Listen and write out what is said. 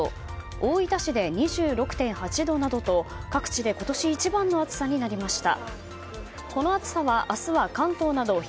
大分市で２６．８度などと各地で今年一番の暑さになりました。